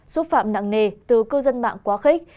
xúc phạm nặng nề từ cư dân mạng quá khích